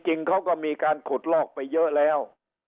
จริงเขาก็มีการขุดลอกไปเยอะแล้ว